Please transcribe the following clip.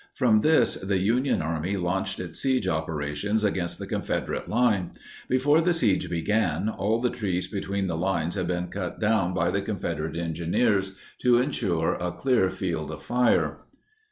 From this, the Union Army launched its siege operations against the Confederate line. Before the siege began, all the trees between the lines had been cut down by the Confederate engineers to insure a clear field of fire.